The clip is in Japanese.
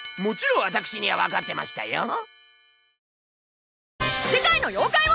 もちろん私にはわかってましたよ。